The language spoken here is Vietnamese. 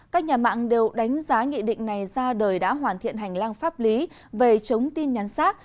các nhà mạng đều đánh giá nghị định này ra đời đã hoàn thiện hành lang pháp lý về chống tin nhắn rác